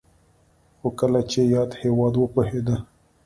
خو کله چې یاد هېواد وپوهېده